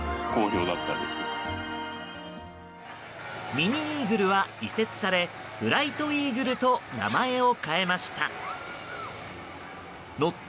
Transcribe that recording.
ミニイーグルは移設されフライトイーグルと名前を変えました。